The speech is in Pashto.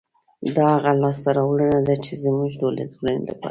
دا هغه لاسته راوړنه ده، چې زموږ د ټولنې لپاره